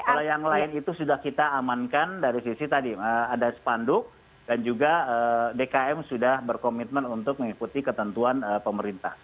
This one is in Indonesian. kalau yang lain itu sudah kita amankan dari sisi tadi ada spanduk dan juga dkm sudah berkomitmen untuk mengikuti ketentuan pemerintah